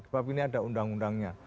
sebab ini ada undang undangnya